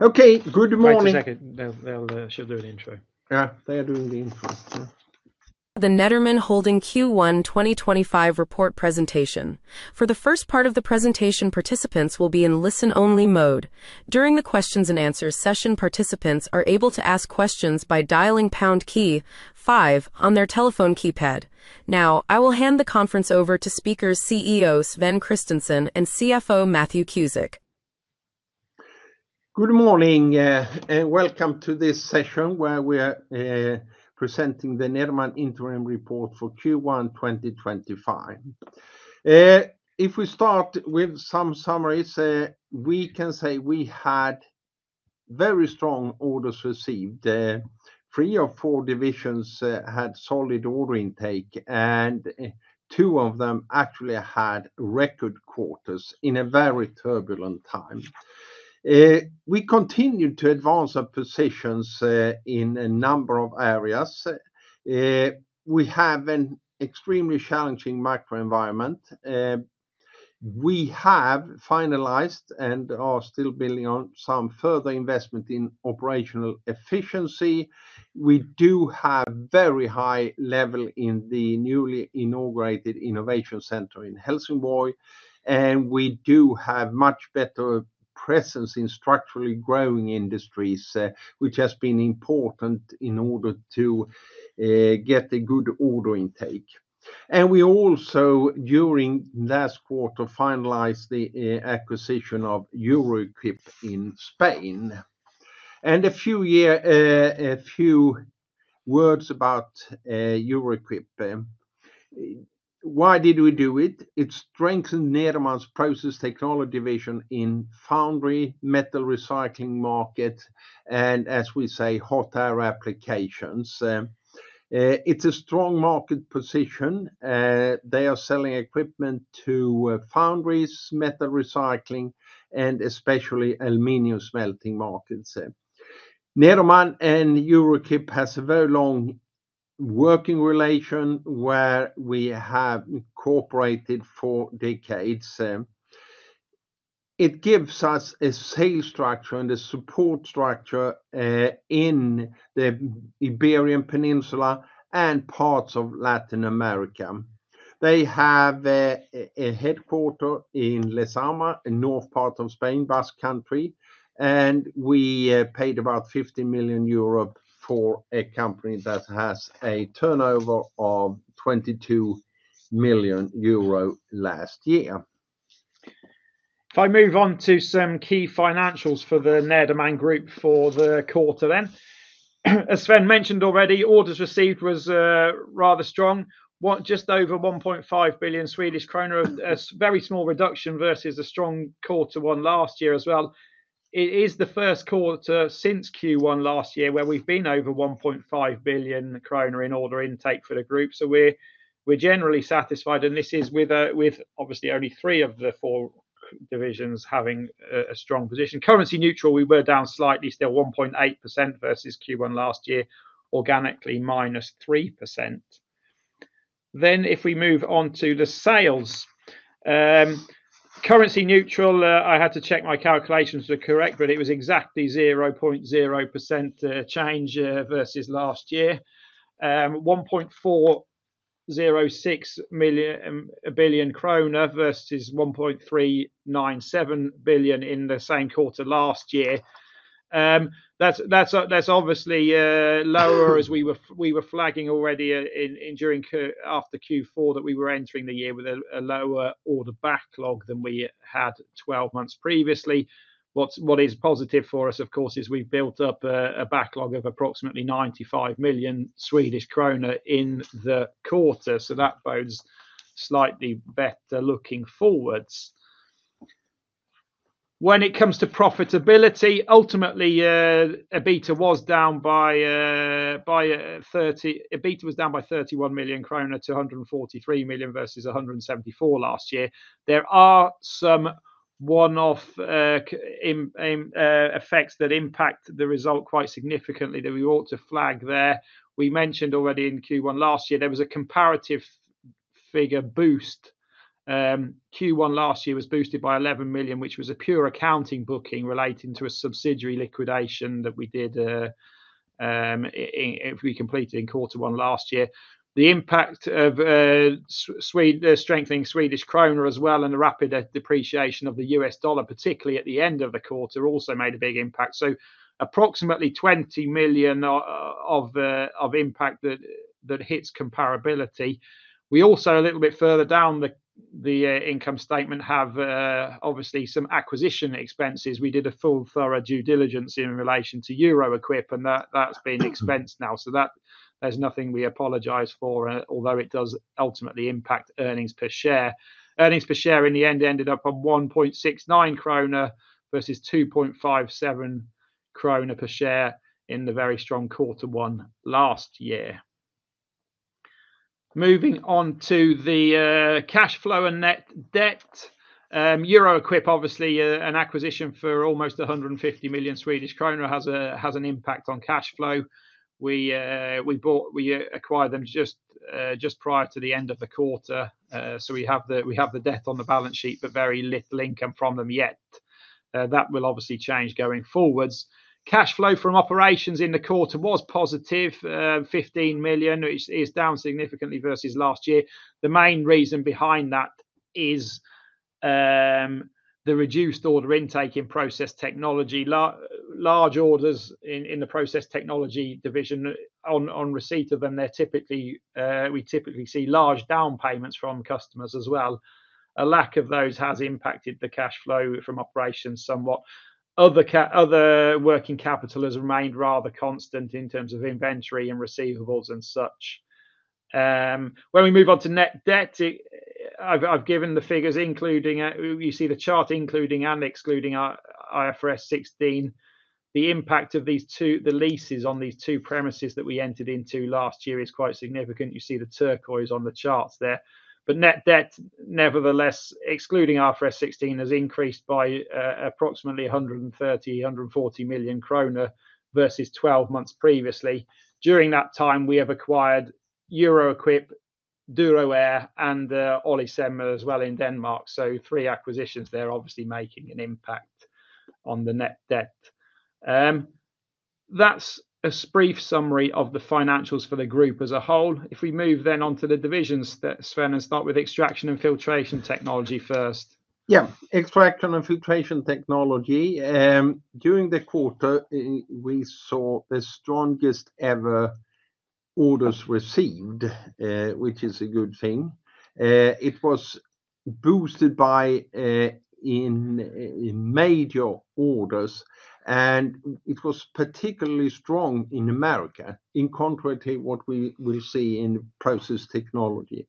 Okay, good morning. One second, they'll, she'll do an intro. Yeah. They are doing the intro. The Nederman Holding Q1 2025 Report Presentation. For the first part of the presentation, participants will be in listen-only mode. During the Q&A session, participants are able to ask questions by dialing pound key 5 on their telephone keypad. Now, I will hand the conference over to CEO Sven Kristensson and CFO Matthew Cusick. Good morning, and welcome to this session where we are presenting the Nederman Interim Report for Q1 2025. If we start with some summaries, we can say we had very strong orders received. Three of four divisions had solid order intake, and two of them actually had record quarters in a very turbulent time. We continue to advance our positions in a number of areas. We have an extremely challenging macroenvironment. We have finalized and are still building on some further investment in operational efficiency. We do have a very high level in the newly inaugurated Innovation Center in Helsingborg, and we do have much better presence in structurally growing industries, which has been important in order to get a good order intake. We also, during last quarter, finalized the acquisition of Euro-Equip in Spain. A few words about Euro-Equip. Why did we do it? It strengthened Nederman's Process Technology vision in foundry, metal recycling market, and, as we say, hot air applications. It's a strong market position. They are selling equipment to foundries, metal recycling, and especially aluminum smelting markets. Nederman and Euro-Equip have a very long working relationship where we have cooperated for decades. It gives us a sales structure and a support structure in the Iberian Peninsula and parts of Latin America. They have a headquarter in Lezama, a north part of Spain, Basque Country, and we paid about 15 million euro for a company that has a turnover of 22 million euro last year. If I move on to some key financials for the Nederman Group for the quarter then. As Sven mentioned already, orders received was, rather strong, what, just over 1.5 billion Swedish kronor, a very small reduction versus a strong quarter one last year as well. It is the first quarter since Q1 last year where we've been over 1.5 billion kronor in order intake for the group. We're generally satisfied, and this is with, with obviously only three of the four divisions having a strong position. Currency neutral, we were down slightly, still 1.8% versus Q1 last year, organically minus 3%. If we move on to the sales, currency neutral, I had to check my calculations to correct, but it was exactly 0.0% change, versus last year. 1.406 billion krona versus 1.397 billion in the same quarter last year. That's obviously lower, as we were flagging already during Q4 that we were entering the year with a lower order backlog than we had twelve months previously. What is positive for us, of course, is we've built up a backlog of approximately 95 million Swedish krona in the quarter, so that bodes slightly better looking forwards. When it comes to profitability, ultimately, EBITDA was down by 31 million kronor to 143 million versus 174 million last year. There are some one-off effects that impact the result quite significantly that we ought to flag there. We mentioned already in Q1 last year there was a comparative figure boost. Q1 last year was boosted by 11 million, which was a pure accounting booking relating to a subsidiary liquidation that we did, if we completed in quarter one last year. The impact of Sweden, strengthening Swedish krona as well and the rapid depreciation of the US dollar, particularly at the end of the quarter, also made a big impact. Approximately 20 million of impact that hits comparability. We also, a little bit further down the income statement, have obviously some acquisition expenses. We did a full thorough due diligence in relation to Euro-Equip, and that has been expensed now. There is nothing we apologize for, although it does ultimately impact earnings per share. Earnings per share in the end ended up on 1.69 kronor versus 2.57 kronor per share in the very strong quarter one last year. Moving on to the cash flow and net debt. Euro-Equip, obviously, an acquisition for almost 150 million Swedish kronor has a, has an impact on cash flow. We bought, we acquired them just prior to the end of the quarter. We have the debt on the balance sheet, but very little income from them yet. That will obviously change going forwards. Cash flow from operations in the quarter was positive, 15 million, which is down significantly versus last year. The main reason behind that is the reduced order intake in Process Technology, large orders in the Process Technology division, on receipt of them. We typically see large down payments from customers as well. A lack of those has impacted the cash flow from operations somewhat. Other working capital has remained rather constant in terms of inventory and receivables and such. When we move on to net debt, it, I've given the figures, including a, you see the chart including and excluding our IFRS 16. The impact of these two, the leases on these two premises that we entered into last year is quite significant. You see the turquoise on the charts there. Net debt, nevertheless, excluding IFRS 16, has increased by approximately 130 million-140 million kronor versus 12 months previously. During that time, we have acquired Euro-Equip, Duroair, and Olicem as well in Denmark. Three acquisitions there obviously making an impact on the net debt. That's a brief summary of the financials for the group as a whole. If we move then on to the divisions, that's Sven, and start with Extraction and Filtration Technology first. Yeah, Extraction and Filtration Technology. During the quarter, we saw the strongest ever orders received, which is a good thing. It was boosted by, in, in major orders, and it was particularly strong in America in contrary to what we will see in Process Technology.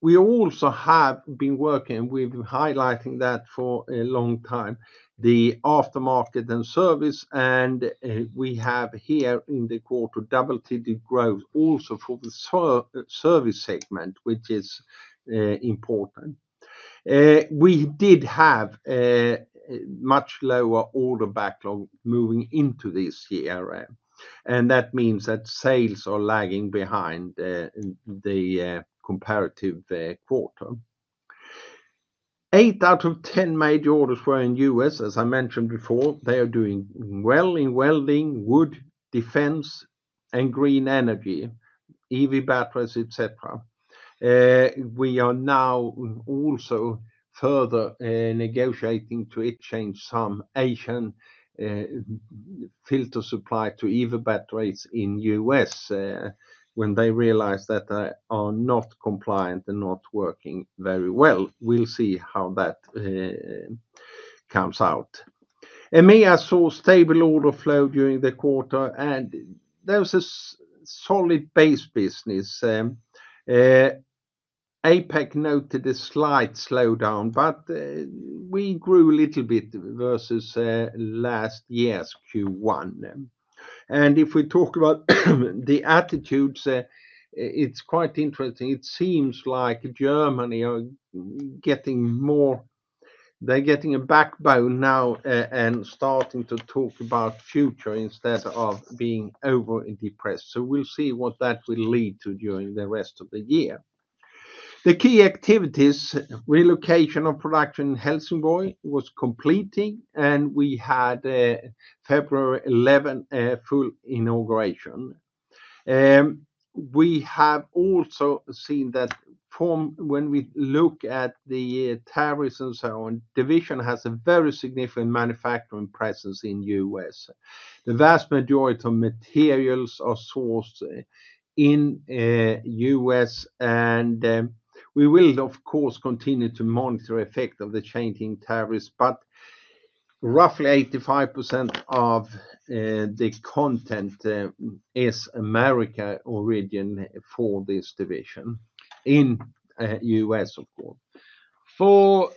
We also have been working, and we've been highlighting that for a long time, the aftermarket and service, and, we have here in the quarter double-digit growth also for the service segment, which is important. We did have much lower order backlog moving into this year, and that means that sales are lagging behind the comparative quarter. Eight out of 10 major orders were in US, as I mentioned before. They are doing well in welding, wood, defense, and green energy, EV batteries, et cetera. We are now also further negotiating to exchange some Asian filter supply to EV batteries in the US, when they realize that they are not compliant and not working very well. We'll see how that comes out. EMEA saw stable order flow during the quarter, and there was a solid base business. APEC noted a slight slowdown, but we grew a little bit versus last year's Q1. If we talk about the attitudes, it's quite interesting. It seems like Germany are getting more, they're getting a backbone now, and starting to talk about future instead of being overly depressed. We'll see what that will lead to during the rest of the year. The key activities, relocation of production in Helsingborg was completing, and we had, February 11, full inauguration. We have also seen that from when we look at the tariffs and so on, the division has a very significant manufacturing presence in the U.S. The vast majority of materials are sourced in the U.S., and we will, of course, continue to monitor the effect of the changing tariffs, but roughly 85% of the content is America origin for this division in the U.S., of course. For,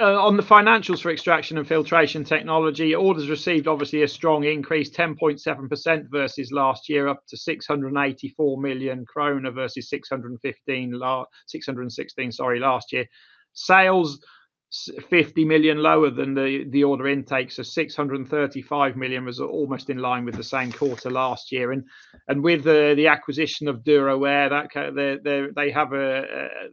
on the financials for Extraction and Filtration Technology, orders received obviously a strong increase, 10.7% versus last year, up to 684 million kronor versus 615, 616, sorry, last year. Sales 50 million lower than the, the order intakes of 635 million was almost in line with the same quarter last year. With the acquisition of Duroair,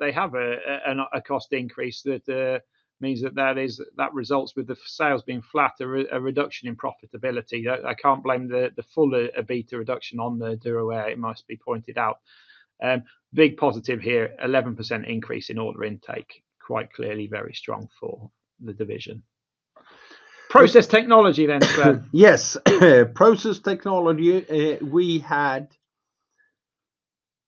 they have a cost increase that means that results with the sales being flatter, a reduction in profitability. I can't blame the full EBITDA reduction on Duroair, it must be pointed out. Big positive here, 11% increase in order intake, quite clearly very strong for the division. Process Technology then, Sven. Yes, Process Technology, we had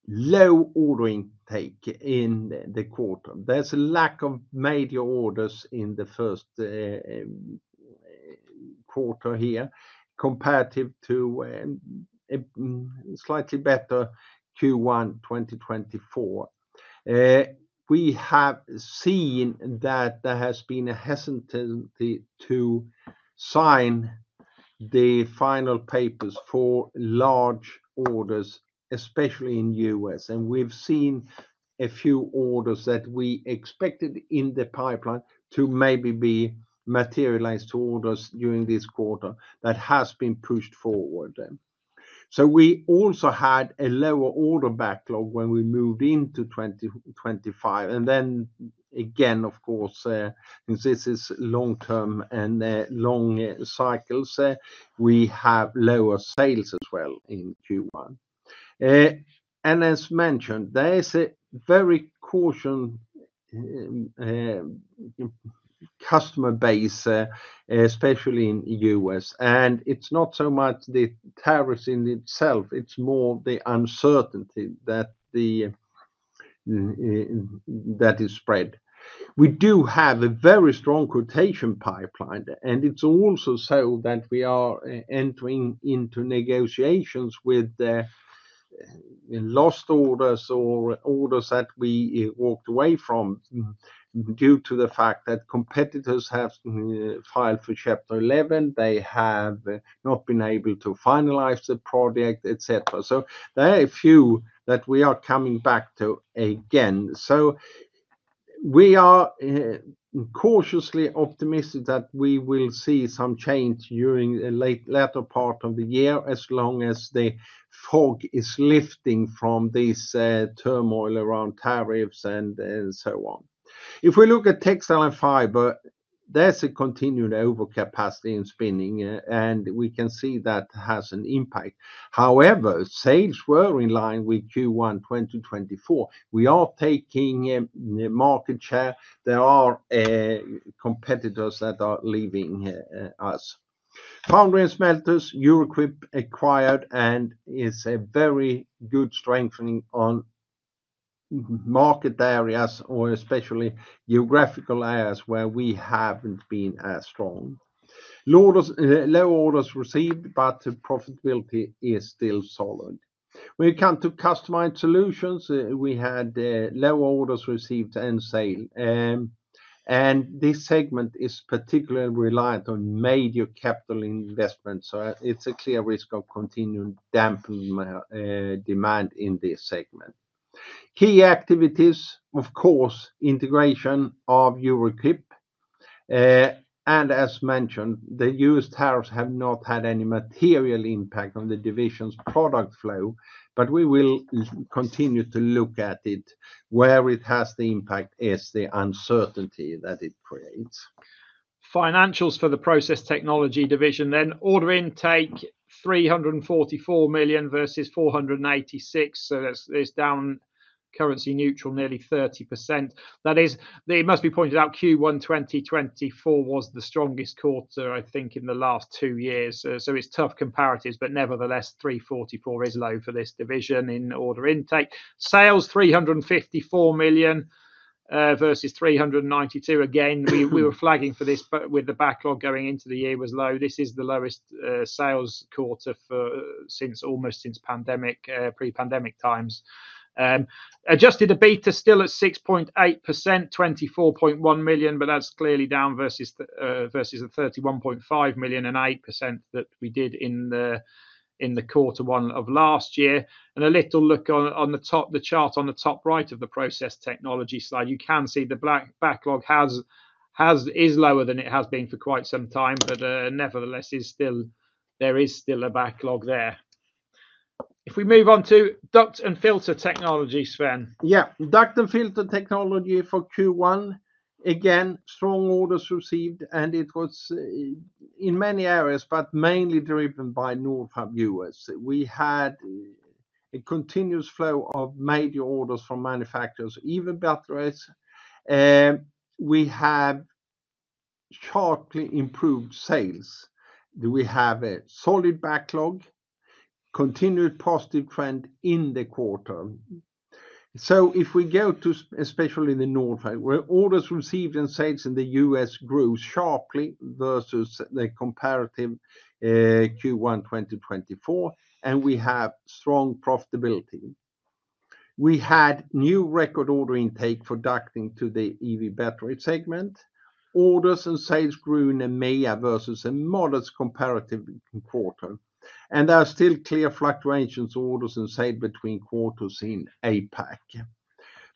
low order intake in the quarter. There's a lack of major orders in the first quarter here comparative to slightly better Q1 2024. We have seen that there has been a hesitancy to sign the final papers for large orders, especially in the US. And we've seen a few orders that we expected in the pipeline to maybe be materialized to orders during this quarter that has been pushed forward. We also had a lower order backlog when we moved into 2025. Of course, since this is long term and long cycles, we have lower sales as well in Q1. As mentioned, there is a very cautious customer base, especially in the US. It is not so much the tariffs in themselves, it is more the uncertainty that is spread. We do have a very strong quotation pipeline, and it is also so that we are entering into negotiations with lost orders or orders that we walked away from due to the fact that competitors have filed for Chapter 11, they have not been able to finalize the project, et cetera. There are a few that we are coming back to again. We are cautiously optimistic that we will see some change during the late, latter part of the year as long as the fog is lifting from this turmoil around tariffs and so on. If we look at textile and fiber, there is a continued overcapacity in spinning, and we can see that has an impact. However, sales were in line with Q1 2024. We are taking market share. There are competitors that are leaving us. Foundry and smelters, Euro-Equip acquired, and it is a very good strengthening on market areas or especially geographical areas where we have not been as strong. Low orders, low orders received, but the profitability is still solid. When it comes to customized solutions, we had low orders received and sale. This segment is particularly reliant on major capital investments, so it is a clear risk of continued dampening demand in this segment. Key activities, of course, integration of Euro-Equip, and as mentioned, the U.S. tariffs have not had any material impact on the division's product flow, but we will continue to look at it. Where it has the impact is the uncertainty that it creates. Financials for the Process Technology division then, order intake 344 million versus 486 million, so that's, it's down currency neutral nearly 30%. That is, it must be pointed out, Q1 2024 was the strongest quarter, I think, in the last two years. It's tough comparatives, but nevertheless, 344 million is low for this division in order intake. Sales, 354 million, versus 392 million. Again, we were flagging for this, but with the backlog going into the year was low. This is the lowest sales quarter for, since almost since pandemic, pre-pandemic times. Adjusted EBITDA still at 6.8%, 24.1 million, but that's clearly down versus the, versus the 31.5 million and 8% that we did in the, in the quarter one of last year. A little look on, on the top, the chart on the top right of the Process Technology slide, you can see the black backlog is lower than it has been for quite some time, but, nevertheless, there is still a backlog there. If we move on to Duct and Filter Technology, Sven. Yeah, Duct and Filter Technology for Q1, again, strong orders received, and it was, in many areas, but mainly driven by Northern U.S.. We had a continuous flow of major orders from manufacturers, even batteries. We have sharply improved sales. Do we have a solid backlog, continued positive trend in the quarter? If we go to, especially the North, where orders received and sales in the US grew sharply versus the comparative, Q1 2024, and we have strong profitability. We had new record order intake for ducting to the EV battery segment. Orders and sales grew in EMEA versus a modest comparative quarter, and there are still clear fluctuations orders and sales between quarters in APEC.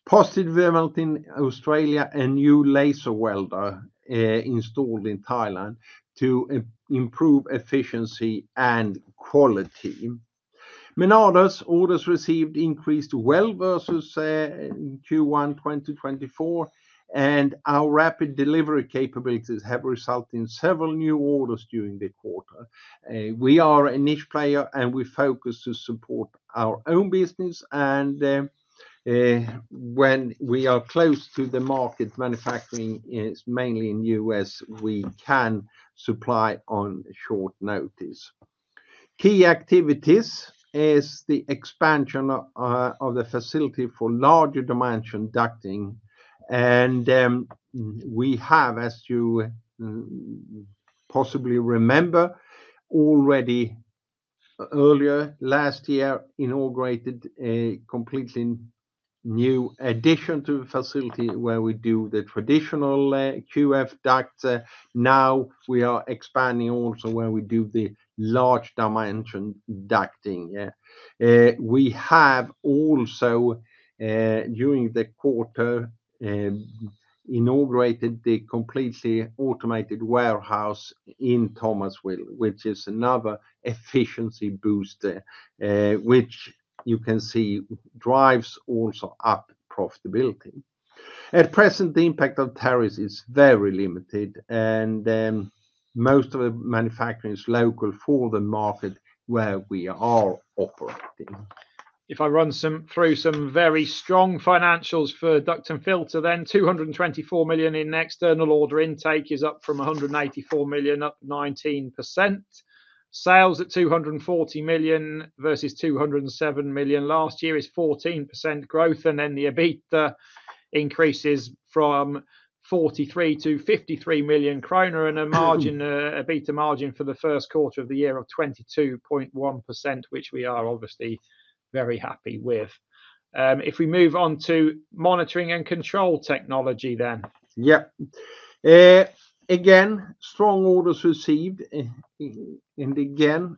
Positive development in Australia, a new laser welder, installed in Thailand to improve efficiency and quality. Menardi, orders received increased well versus Q1 2024, and our rapid delivery capabilities have resulted in several new orders during the quarter. We are a niche player, and we focus to support our own business, and, when we are close to the market, manufacturing is mainly in US, we can supply on short notice. Key activities is the expansion of the facility for larger dimension ducting, and, we have, as you possibly remember, already earlier last year inaugurated a completely new addition to the facility where we do the traditional QF Ducts. Now we are expanding also where we do the large-dimension ducting. We have also, during the quarter, inaugurated the completely automated warehouse in Thomasville, which is another efficiency booster, which you can see drives also up profitability. At present, the impact of tariffs is very limited, and most of the manufacturing is local for the market where we are operating. If I run through some very strong financials for duct and filter then, 224 million in external order intake is up from 184 million, up 19%. Sales at 240 million versus 207 million last year is 14% growth, and then the EBITDA increases from 43 million to 53 million kronor and a margin, EBITDA margin for the first quarter of the year of 22.1%, which we are obviously very happy with. If we move on to Monitoring and Control Technology then. Yep. Again, strong orders received, and again,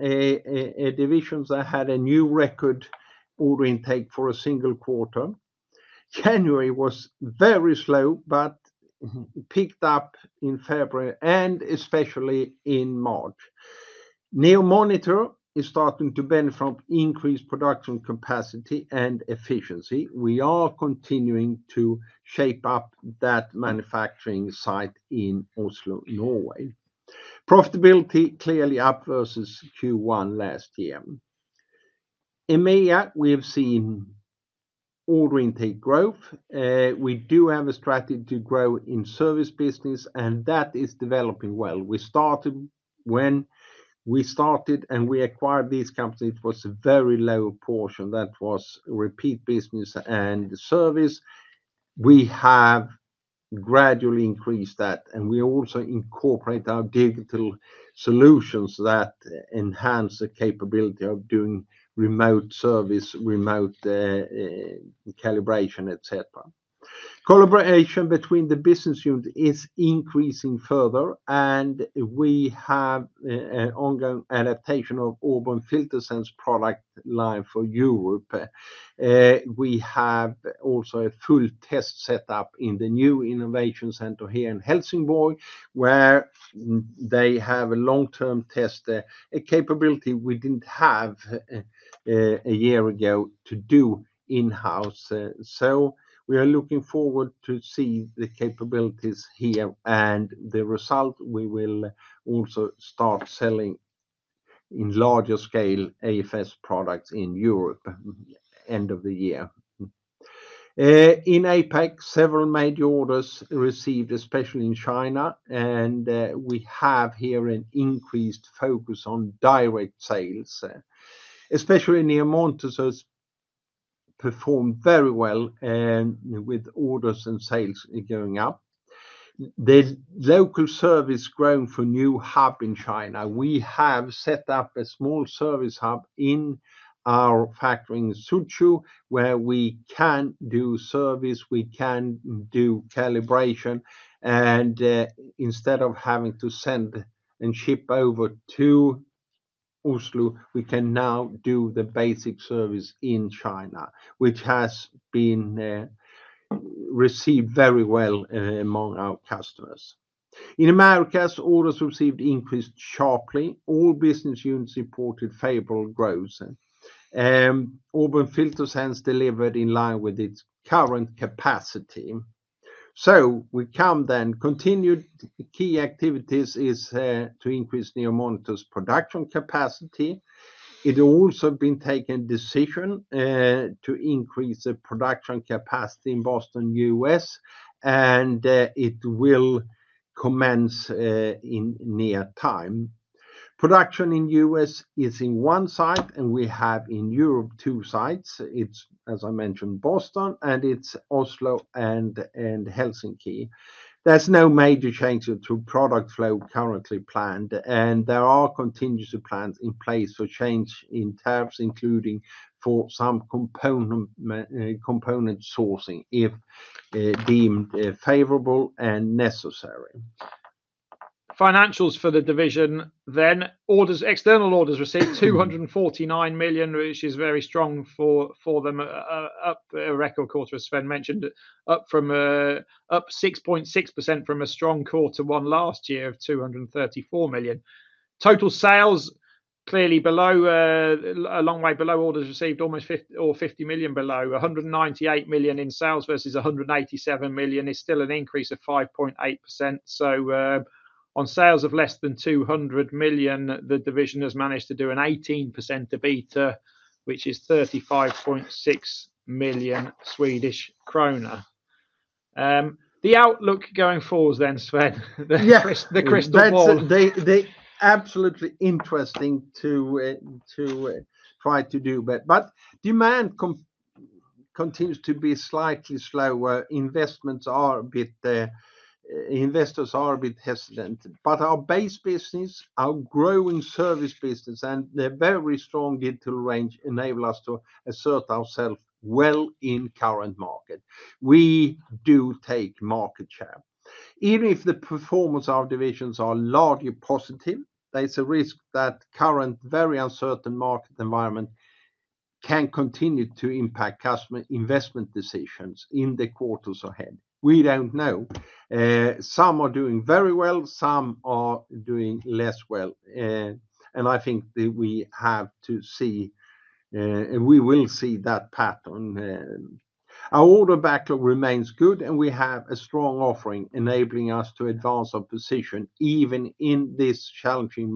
divisions that had a new record order intake for a single quarter. January was very slow, but picked up in February and especially in March. NEO Monitors is starting to benefit from increased production capacity and efficiency. We are continuing to shape up that manufacturing site in Oslo, Norway. Profitability clearly up versus Q1 last year. EMEA, we have seen order intake growth. We do have a strategy to grow in service business, and that is developing well. We started when we started, and we acquired these companies. It was a very low portion that was repeat business and service. We have gradually increased that, and we also incorporate our digital solutions that enhance the capability of doing remote service, remote calibration, et cetera. Collaboration between the business unit is increasing further, and we have an ongoing adaptation of Auburn FilterSense product line for Europe. We have also a full test setup in the new Innovation Center here in Helsingborg, where they have a long-term test capability we did not have a year ago to do in-house. We are looking forward to see the capabilities here, and the result. We will also start selling in larger scale AFS products in Europe end of the year. In APEC, several major orders received, especially in China, and we have here an increased focus on direct sales, especially NEO Monitors has performed very well, with orders and sales going up. The local service grown for new hub in China. We have set up a small service hub in our factory in Suzhou, where we can do service, we can do calibration, and, instead of having to send and ship over to Oslo, we can now do the basic service in China, which has been received very well among our customers. In Americas, orders received increased sharply. All business units reported favorable growth. Auburn FilterSense delivered in line with its current capacity. We come then to continued key activities, which is to increase NEO Monitors' production capacity. It has also been taken a decision to increase the production capacity in Boston, US, and it will commence in near time. Production in US is in one site, and we have in Europe two sites. It's, as I mentioned, Boston, and it's Oslo and Helsinki. There's no major change to product flow currently planned, and there are contingency plans in place for change in tariffs, including for some component sourcing if deemed favorable and necessary. Financials for the division then, orders, external orders received 249 million, which is very strong for, for them, up a record quarter, as Sven mentioned, up from, up 6.6% from a strong quarter one last year of 234 million. Total sales clearly below, a long way below orders received, almost 50 or 50 million below. 198 million in sales versus 187 million is still an increase of 5.8%. On sales of less than 200 million, the division has managed to do an 18% EBITDA, which is 35.6 million Swedish kronor. The outlook going forward then, Sven, the crystal ball. Yeah, that's absolutely interesting to try to do, but demand continues to be slightly slower. Investments are a bit, investors are a bit hesitant, but our base business, our growing service business, and the very strong digital range enable us to assert ourselves well in current market. We do take market share. Even if the performance of divisions are largely positive, there's a risk that current very uncertain market environment can continue to impact customer investment decisions in the quarters ahead. We don't know. Some are doing very well, some are doing less well. I think that we have to see, and we will see that pattern. Our order backlog remains good, and we have a strong offering enabling us to advance our position even in this challenging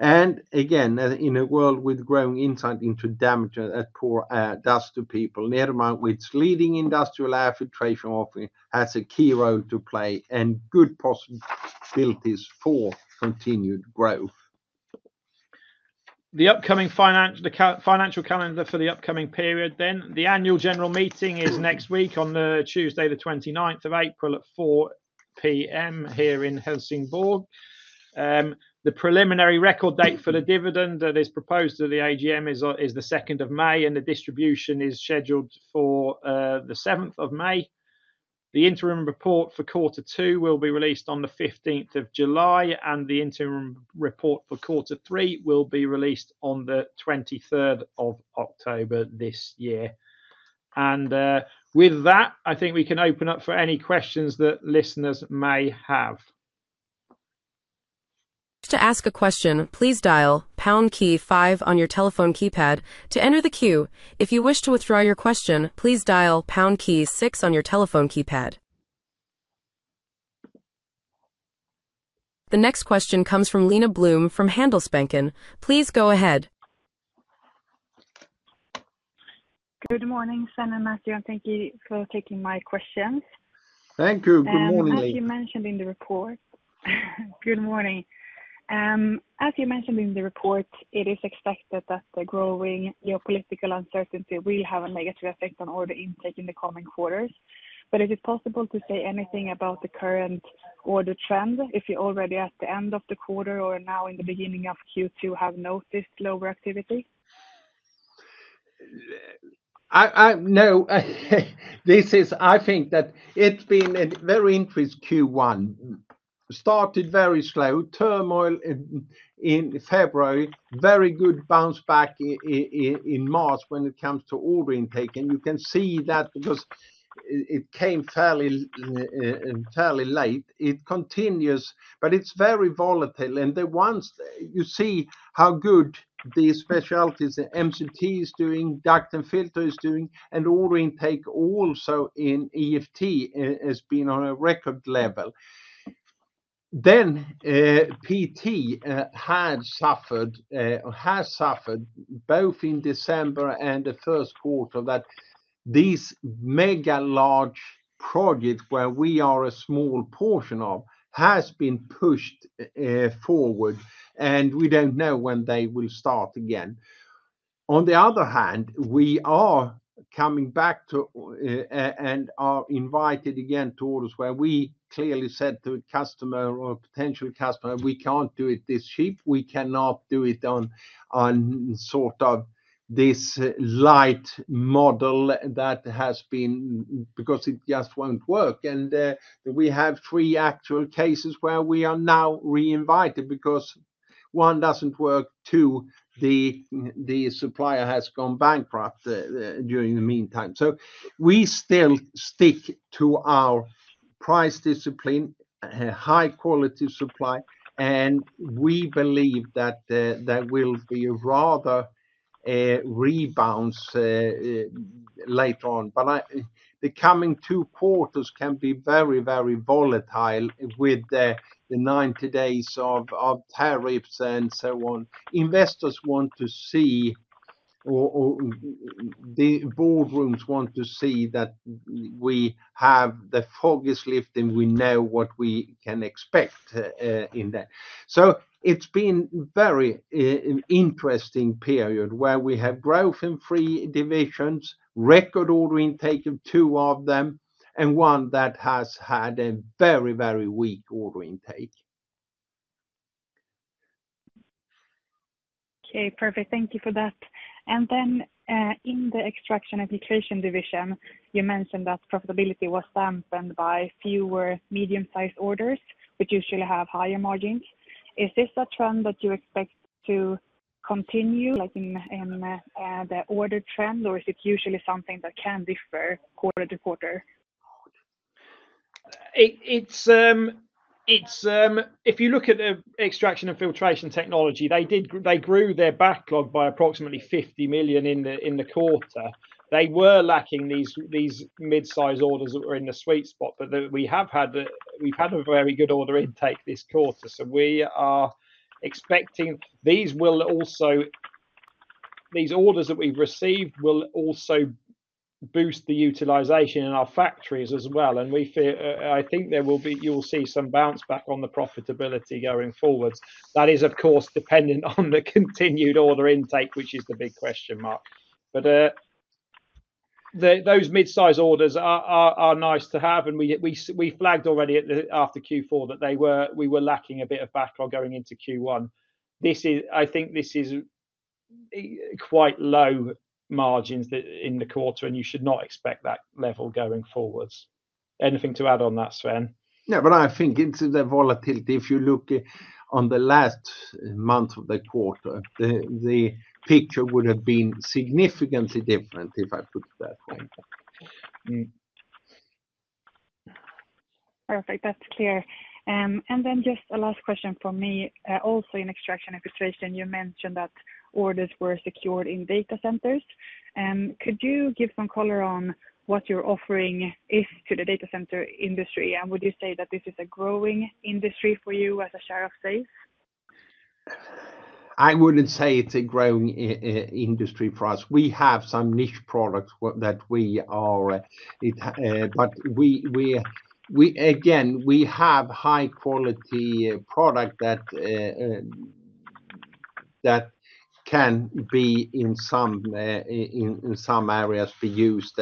macroenvironment. In a world with growing insight into damage at poor, dust to people, NEO Monitors, its leading industrial air filtration offering, has a key role to play and good possibilities for continued growth. The financial calendar for the upcoming period then, the annual general meeting is next week on Tuesday, the 29th of April at 4:00 P.M. here in Helsingborg. The preliminary record date for the dividend that is proposed to the AGM is the 2nd of May, and the distribution is scheduled for the 7th of May. The interim report for quarter two will be released on the 15th of July, and the interim report for quarter three will be released on the 23rd of October this year. With that, I think we can open up for any questions that listeners may have. To ask a question, please dial pound key five on your telephone keypad to enter the queue. If you wish to withdraw your question, please dial pound key six on your telephone keypad. The next question comes from Lena Bloom from Handelsbanken. Please go ahead. Good morning, Sven and Matthew. Thank you for taking my question. Thank you. Good morning, Lena. As you mentioned in the report, good morning. As you mentioned in the report, it is expected that the growing geopolitical uncertainty will have a negative effect on order intake in the coming quarters. Is it possible to say anything about the current order trend if you already at the end of the quarter or now in the beginning of Q2 have noticed lower activity? I know this is, I think that it's been a very interesting Q1. Started very slow, turmoil in February, very good bounce back in March when it comes to order intake. You can see that because it came fairly late. It continues, but it's very volatile. You see how good the specialties MCT is doing, duct and filter is doing, and order intake also in EFT has been on a record level. PT has suffered both in December and the first quarter that these mega large projects where we are a small portion of has been pushed forward, and we don't know when they will start again. On the other hand, we are coming back to, and are invited again to orders where we clearly said to a customer or potential customer, we can't do it this cheap. We cannot do it on, on sort of this light model that has been because it just won't work. We have three actual cases where we are now reinvited because one doesn't work, two, the supplier has gone bankrupt during the meantime. We still stick to our price discipline, high quality supply, and we believe that will be a rather, rebound, later on. I think the coming two quarters can be very, very volatile with the 90 days of tariffs and so on. Investors want to see, or the boardrooms want to see that we have the fog is lifting. We know what we can expect in that. It has been a very interesting period where we have growth in three divisions, record order intake of two of them, and one that has had a very, very weak order intake. Okay, perfect. Thank you for that. In the extraction application division, you mentioned that profitability was dampened by fewer medium-sized orders, which usually have higher margins. Is this a trend that you expect to continue, like in the order trend, or is it usually something that can differ quarter to quarter? If you look at the Extraction and Filtration Technology, they grew their backlog by approximately 50 million in the quarter. They were lacking these mid-sized orders that were in the sweet spot, but we have had a very good order intake this quarter. We are expecting these orders that we've received will also boost the utilization in our factories as well. I think there will be, you'll see some bounce back on the profitability going forwards. That is, of course, dependent on the continued order intake, which is the big question mark. Those mid-sized orders are nice to have. We flagged already after Q4 that we were lacking a bit of backlog going into Q1. This is, I think this is quite low margins in the quarter, and you should not expect that level going forwards. Anything to add on that, Sven? Yeah, I think into the volatility, if you look on the last month of the quarter, the picture would have been significantly different if I put it that way. Perfect. That's clear. And then just a last question for me. Also in extraction and filtration, you mentioned that orders were secured in data centers. Could you give some color on what your offering is to the data center industry? And would you say that this is a growing industry for you as a share of sales? I wouldn't say it's a growing industry for us. We have some niche products that we are, but we, we have high quality product that can be in some areas be used.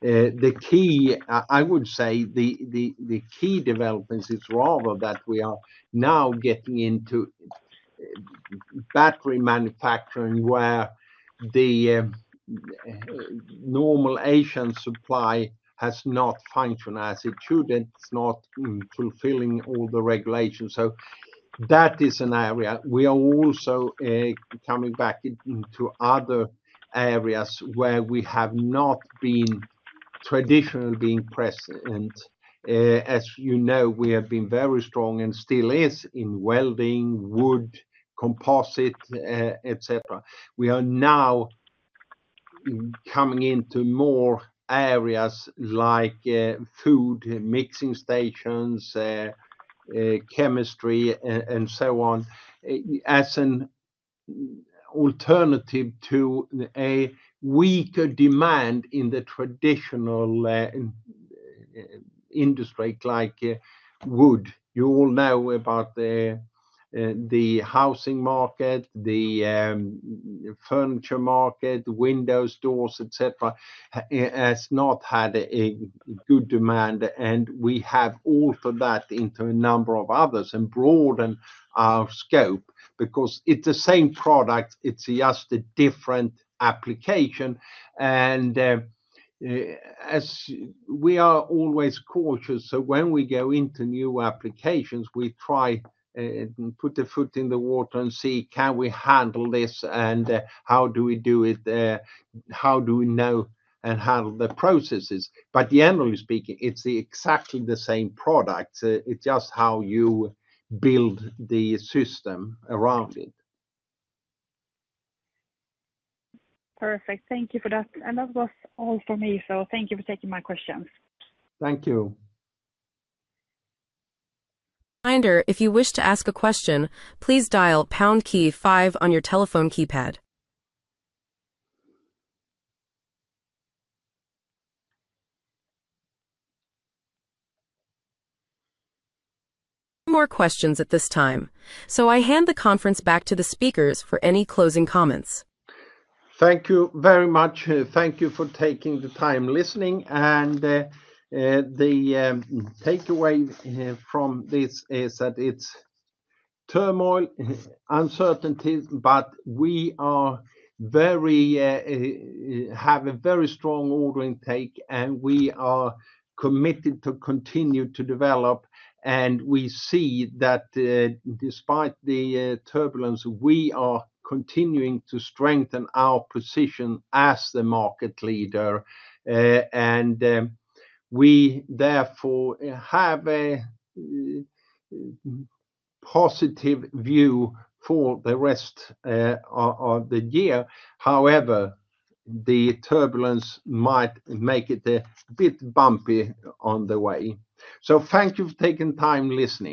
The key, I would say, the key developments is rather that we are now getting into battery manufacturing where the normal Asian supply has not functioned as it should. It's not fulfilling all the regulations. That is an area. We are also coming back into other areas where we have not been traditionally being present. As you know, we have been very strong and still are in welding, wood, composite, et cetera. We are now coming into more areas like food mixing stations, chemistry, and so on, as an alternative to a weaker demand in the traditional industry like wood. You all know about the housing market, the furniture market, windows, doors, et cetera, has not had a good demand. We have also that into a number of others and broaden our scope because it's the same product. It's just a different application. As we are always cautious, when we go into new applications, we try, put the foot in the water and see, can we handle this? How do we do it? How do we know and handle the processes? Generally speaking, it's exactly the same product. It's just how you build the system around it. Perfect. Thank you for that. That was all for me. Thank you for taking my questions. Thank you. Reminder, if you wish to ask a question, please dial pound key five on your telephone keypad. No more questions at this time. I hand the conference back to the speakers for any closing comments. Thank you very much. Thank you for taking the time listening. The takeaway from this is that it's turmoil, uncertainty, but we have a very strong order intake, and we are committed to continue to develop. We see that, despite the turbulence, we are continuing to strengthen our position as the market leader. We therefore have a positive view for the rest of the year. However, the turbulence might make it a bit bumpy on the way. Thank you for taking time listening.